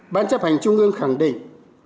ban chấp hành trung ương khẳng định